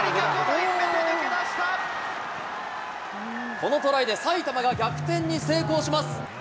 このトライで埼玉が逆転に成功します。